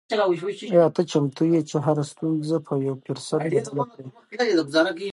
آیا ته چمتو یې چې هره ستونزه په یو فرصت بدله کړې؟